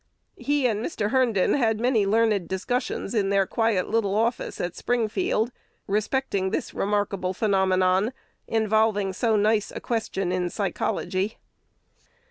He and Mr. Herndon had many learned discussions in their quiet little office, at Springfield, respecting this remarkable phenomenon, involving so nice a question in "psychology."